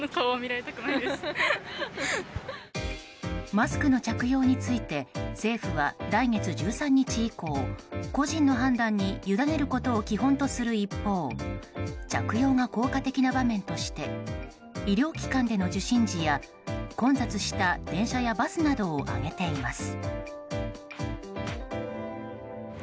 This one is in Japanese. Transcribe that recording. マスクの着用について政府は来月１３日以降個人の判断にゆだねることを基本とする一方着用が効果的な場面として医療機関での受診時や混雑した電車やバスなどを挙げています。